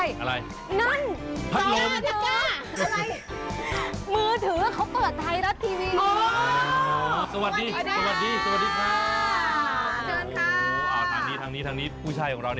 กลับมาครับแม่คะที่นี่เขาน่ารักนะ